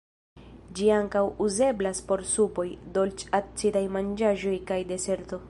Ĝi ankaŭ uzeblas por supoj, dolĉ-acidaj manĝaĵoj kaj deserto.